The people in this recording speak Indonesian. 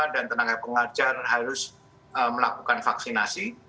dan tenaga pengajar harus melakukan vaksinasi